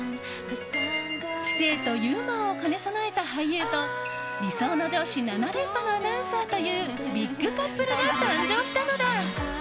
知性とユーモアを兼ね備えた俳優と理想の上司７連覇のアナウンサーというビッグカップルが誕生したのだ。